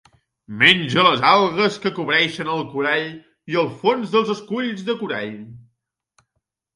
Menja les algues que cobreixen el corall i el fons dels esculls de corall.